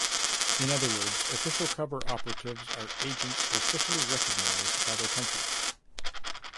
In other words, official cover operatives are agents officially recognized by their country.